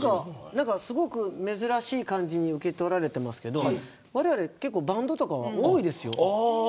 すごく珍しい感じに受け取られてますけどバンドとかは多いですよ。